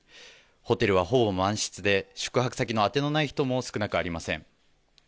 ホテルはほぼ満室で、宿泊先のあてのない人も少なくありません。